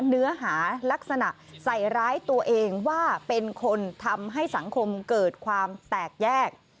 เนื้อหาลักษณะใส่ร้ายตัวเองว่าเป็นคนทำให้สังคมเกิดความแตกแยก